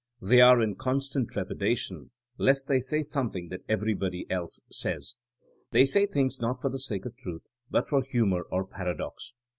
They are in constant trepidation lest they say something that everybody else says. They say things not for the sake of truth but for humor or paradox.